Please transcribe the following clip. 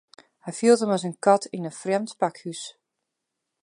Hy fielt him as in kat yn in frjemd pakhús.